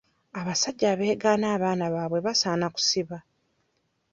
Abasajja abeegaana abaana baabwe basaana kusiba.